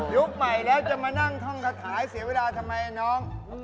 ใหม่แล้วจะมานั่งท่องกระถายเสียเวลาทำไมน้อง